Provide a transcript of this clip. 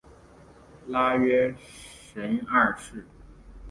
拉约什二世。